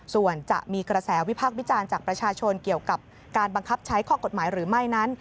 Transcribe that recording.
ส่วนจะมีกระแสวิพากษ์วิจารณ์จากประชาชนเกี่ยวกับการบังคับใช้ข้อกฎหมายหรือไม่นั้น